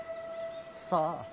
さあ。